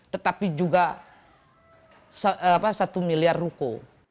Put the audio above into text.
tetapi juga satu miliar ruko